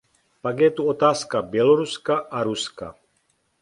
Pak je tu otázka Běloruska a Ruska.